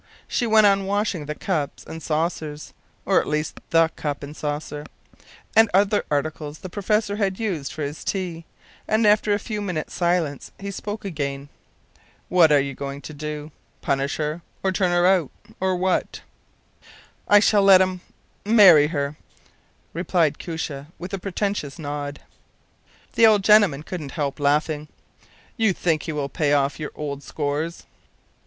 She went on washing up the cups and saucers, or at least the cup and saucer, and other articles the professor had used for his tea; and after a few minutes’ silence he spoke again. “What are you going to do? Punish her, or turn her out, or what?” “I shall let him marry her,” replied Koosje, with a portentous nod. The old gentleman couldn’t help laughing. “You think he will pay off your old scores?